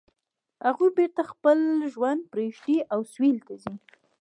هغوی بیرته خپل ژوند پریږدي او سویل ته ځي